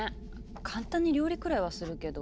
簡単に料理くらいはするけど。